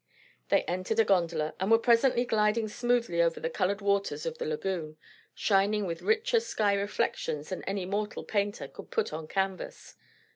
They entered a gondola, and were presently gliding smoothly over the coloured waters of the lagoon; shining with richer sky reflections than any mortal painter could put on canvas.